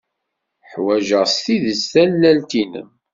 Ḥwajeɣ s tidet tallalt-nnem.